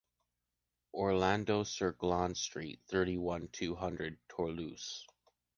Oradour sur Glane street, thirty one, two hundred, Toulouse